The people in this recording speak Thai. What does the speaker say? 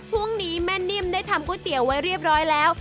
ช่วงนี้แม่นิ่มได้ทำก๋วยเตี๋ยวไว้เรียบร้อยแล้ว